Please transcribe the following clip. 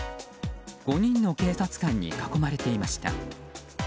５人の警察官に囲まれていました。